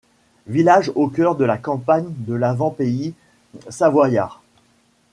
Village au cœur de la campagne de l'Avant-Pays savoyard.